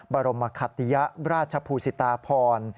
บรมคัตติยราชภูสิตาพร